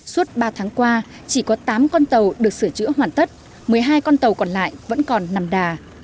suốt ba tháng qua chỉ có tám con tàu được sửa chữa hoàn tất một mươi hai con tàu còn lại vẫn còn nằm đà